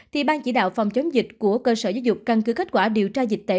thì ban chỉ đạo phòng chống dịch của cơ sở giáo dục căn cứ kết quả điều tra dịch tễ